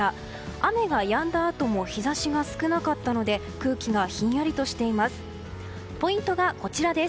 雨が止んだあとも日差しが少なかったので空気がひんやりとしています。